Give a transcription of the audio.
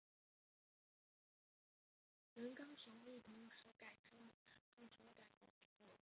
原高雄驿同时改称高雄港以为区别。